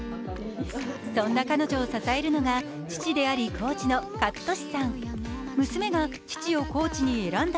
そんな彼女を支えるのが父でありコーチの健智さん。